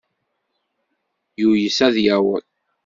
Yuyes ad yaweḍ.